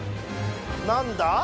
何だ？